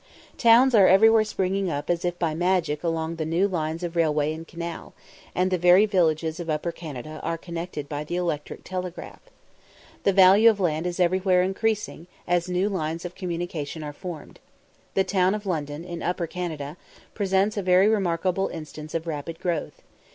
Towns are everywhere springing up as if by magic along the new lines of railway and canal, and the very villages of Upper Canada are connected by the electric telegraph. The value of land is everywhere increasing as new lines of communication are formed. The town of London, in Upper Canada, presents a very remarkable instance of rapid growth.